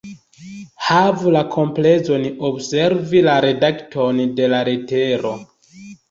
Havu la komplezon observi la redakton de la letero.